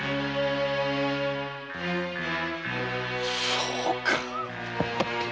そうか！